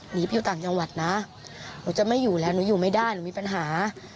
หนีไปอยู่ต่างจังหวัดนะหนูจะไม่อยู่แล้วหนูอยู่ไม่ได้หนูมีปัญหา